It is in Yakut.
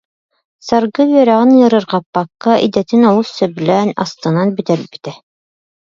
Саргы үөрэҕин ыарырҕаппакка, идэтин олус сөбүлээн, астынан бүтэрбитэ